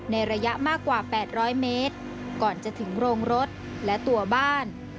ในระยะมากกว่า๘๐๐เมตรก่อนจะถึงโรงรถและตัวบ้าน